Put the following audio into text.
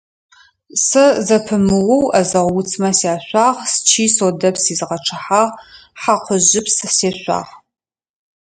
Сэ зэпымыоу ӏэзэгъу уцмэ сяшъуагъ, счый содэпс изгъэчъыхьагъ, хьакъужъыпс сешъуагъ.